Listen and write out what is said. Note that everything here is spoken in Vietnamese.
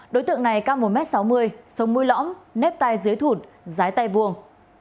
đối tượng này cao một m sáu mươi sống mũi lõm nếp tay dưới thụt rái tay vuông